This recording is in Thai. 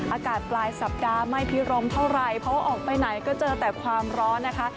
อากาศปลายสัปดาห์ไม่พิรมเท่าไหร่เพราะว่าออกไปไหนก็เจอแต่ความร้อนนะคะ